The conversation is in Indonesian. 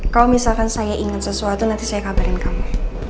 kalau misalkan saya ingat sesuatu nanti saya kabarin kamu